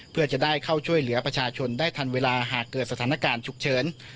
เพื่อจะได้เข้าช่วยเหลือประชาชนได้ทันเวลาหากเกิดสถานการณ์ฉุกเฉิน